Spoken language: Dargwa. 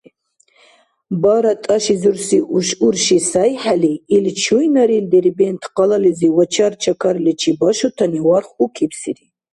Бара тӀашизурси урши сайхӀели, ил чуйнарил Дербент-къалализи вачар-чакарличи башутани варх укибсири.